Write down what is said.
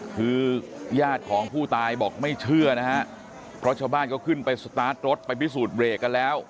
คือญาติของผู้ตายบอกไม่เชื่อนะฮะเพราะชาวบ้านก็ขึ้นไปสตาร์ทรถไปพิสูจน์เบรกกันแล้ว